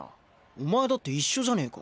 お前だって一緒じゃねえか。